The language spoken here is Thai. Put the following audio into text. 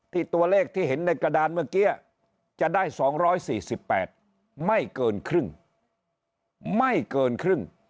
ตัวเลขที่เห็นในกระดานเมื่อกี้จะได้๒๔๘ไม่เกินครึ่งไม่เกินครึ่ง